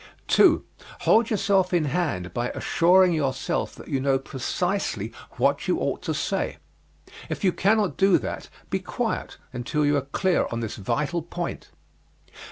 2. Hold yourself in hand by assuring yourself that you know precisely what you ought to say. If you cannot do that, be quiet until you are clear on this vital point.